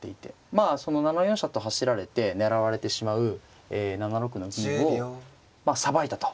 まあその７四飛車と走られて狙われてしまう７六の銀をまあさばいたと。